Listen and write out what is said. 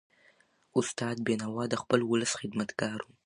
استاد بینوا د خپل ولس خدمتګار و.